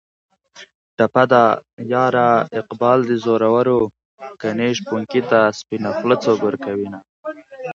ټپه ده: یاره اقبال دې زورور و ګني شپونکي ته سپینه خوله څوک ورکوینه